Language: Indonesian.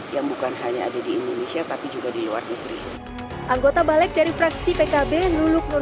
yang bukan hanya ada di indonesia tapi juga di luar negeri anggota balik dari fraksi pkb luluk nur